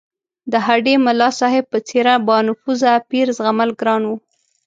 د هډې ملاصاحب په څېر بانفوذه پیر زغمل ګران وو.